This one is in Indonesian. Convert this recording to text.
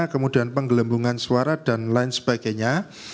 kemudian penggelembungan suara dan lain sebagainya